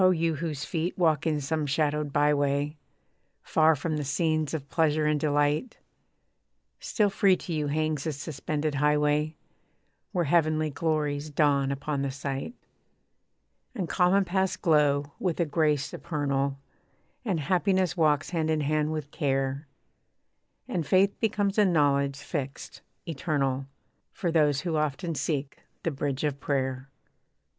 you whose feet walk in some shadowed by way, Far from the scenes of pleasure and delight, Still free to you hangs this suspended highway, Where heavenly glories dawn upon the sight. And common paths glow with a grace supernal, And happiness walks hand in hand with care, And faith becomes a knowledge fixed, eternal, For those who often seek the bridge of prayer.